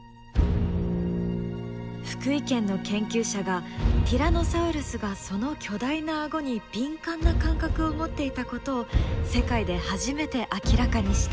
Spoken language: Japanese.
福井県の研究者がティラノサウルスがその巨大な顎に敏感な感覚を持っていたことを世界で初めて明らかにした！